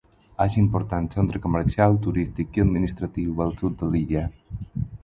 És un important centre comercial, turístic i administratiu al sud de l'illa.